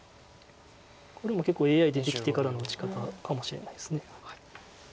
これも結構ＡＩ出てきてからの打ち方かもしれないです。